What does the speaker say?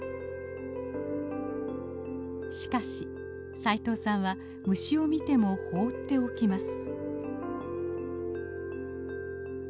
しかし斉藤さんは虫を見ても放っておきます。